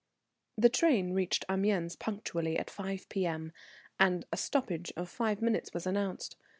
The train reached Amiens punctually at 5 P.M., and a stoppage of five minutes was announced.